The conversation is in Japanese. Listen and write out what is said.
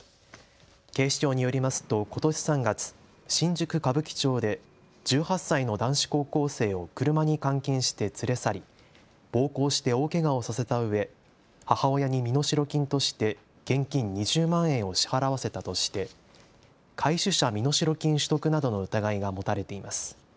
警視庁によりますとことし３月、新宿歌舞伎町で１８歳の男子高校生を車に監禁して連れ去り、暴行して大けがをさせたうえ母親に身代金として現金２０万円を支払わせたとして拐取者身代金取得などの疑いが持たれています。